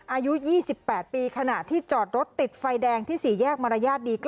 อายุ๒๘ปีขณะที่จอดรถติดไฟแดงที่๔แยกมารยาทดี๙